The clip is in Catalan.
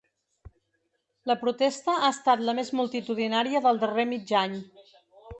La protesta ha estat la més multitudinària del darrer mig any.